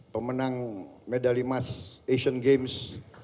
pemenang medali emas asian games